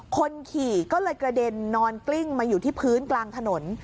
คนขี่ก็เลยกระเด็นนอนกลิ้งมาอยู่ที่พื้นกลางถนน